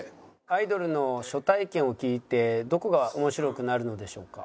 「アイドルの初体験を聞いてどこが面白くなるのでしょうか？」。